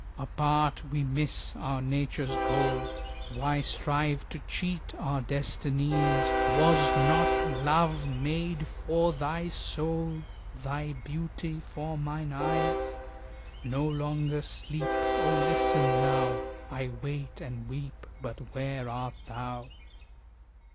Apart we miss our nature's goal, Why strive to cheat our destinies? Was not my love made for thy soul? Thy beauty for mine eyes? No longer sleep, Oh, listen now! I wait and weep, But where art thou?